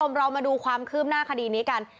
เรามาดูความคืบหน้าคดีนี้กัน